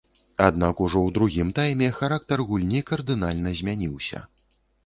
Аднак ужо ў другім тайме характар гульні кардынальна змяніўся.